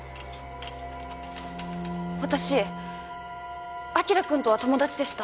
私晶くんとは友達でした。